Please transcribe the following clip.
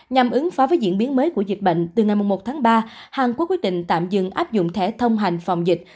nhằm ứng phó với diễn biến mới của dịch bệnh từ ngày một tháng ba hàn quốc quyết định tạm dừng áp dụng thẻ thông hành phòng dịch